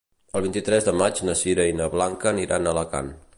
El vint-i-tres de maig na Sira i na Blanca aniran a Alacant.